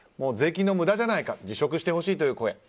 税金の無駄じゃないか辞職してほしいという声。